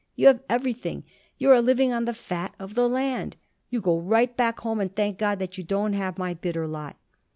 You have everything. You are living on the fat of the land. You go right back home and thank God that you don't have my bitter lot."